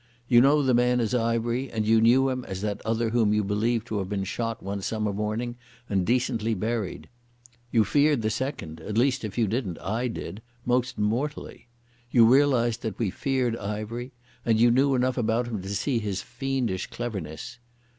You know the man as Ivery, and you knew him as that other whom you believed to have been shot one summer morning and decently buried. You feared the second—at least if you didn't, I did—most mortally. You realised that we feared Ivery, and you knew enough about him to see his fiendish cleverness.